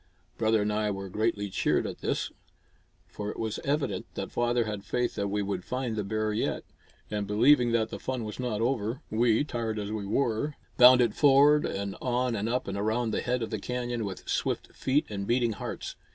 Brother and I were greatly cheered at this; for it was evident that father had faith that we would find the bear yet. And believing that the fun was not over, we, tired as we were, bounded forward and on and up and around the head of the canyon with swift feet and beating hearts.